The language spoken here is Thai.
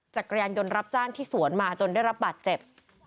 จักรยานยนต์รับจ้างที่สวนมาจนได้รับบาดเจ็บ